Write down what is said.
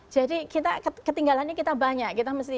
jadi kita ketinggalannya kita banyak